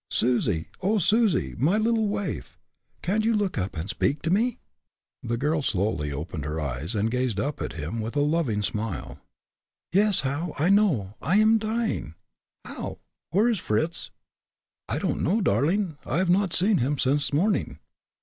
"Susie! oh! Susie, my little waif, can't you look up and speak to me?" The girl slowly opened her eyes, and gazed up at him, with a loving smile. "Yes, Hal, I know. I am dying, Hal. Where is Fritz?" "I don't know, darling. I have not seen him since morning."